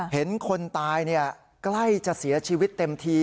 เห็นคนตายใกล้จะเสียชีวิตเต็มที